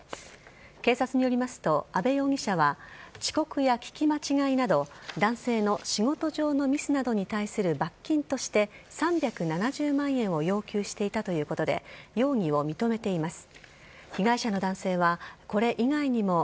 警察によりますと、阿部容疑者は遅刻や聞き間違いなど男性の仕事上のミスなどに対する罰金として３７０万円を要求していたということで容疑を認めています。